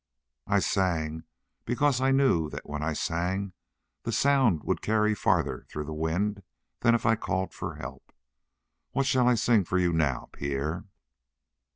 "I sang because I knew that when I sang the sound would carry farther through the wind than if I called for help. What shall I sing for you now, Pierre?"